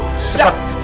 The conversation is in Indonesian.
cepat cepat kamu berhenti